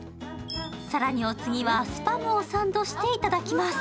更にお次は、スパムをサンドしていただきます。